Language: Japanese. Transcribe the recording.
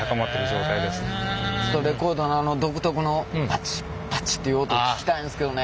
ちょっとレコードのあの独特のパチッパチッていう音聴きたいんですけどね。